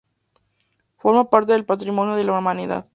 Forma parte del Patrimonio de la Humanidad.